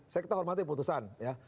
sekitar hormati putusan ya